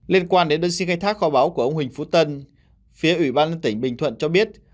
liên quan đến đơn xin khai thác kho báo của ông huỳnh phú tân phía ủy ban tỉnh bình thuận cho biết